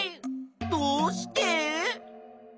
どうして？